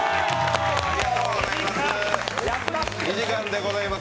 ありがとうございます！